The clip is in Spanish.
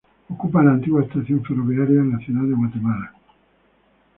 Ocupa la antigua estación ferroviaria en la Ciudad de Guatemala.